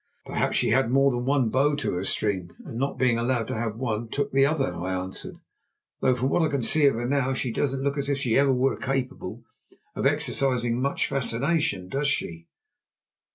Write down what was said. "Perhaps she had more than one beau to her string, and not being allowed to have one took the other," I answered; "though from what we can see of her now she doesn't look as if she were ever capable of exercising much fascination, does she?"